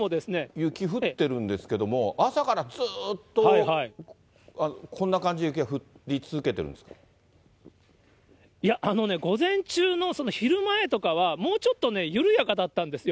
雪降ってるんですけれども、朝からずっとこんな感じで雪が降いや、午前中の昼前とかは、もうちょっと緩やかだったんですよ。